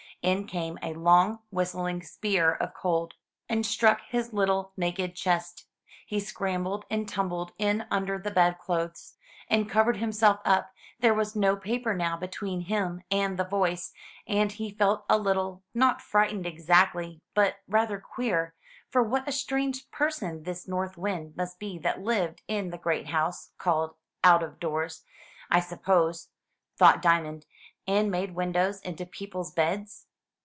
In came a long whistling spear of cold, and struck his little 425 MY BOOK HOUSE naked chest. He scrambled and tumbled in under the bedclothes, and covered himself up; there was no paper now between him and the voice, and he felt a little — not frightened exactly — but rather queer; for what a strange person this North Wind must be that lived in the great house — "called Out of Doors, I sup pose," thought Diamond — and made windows into people's beds!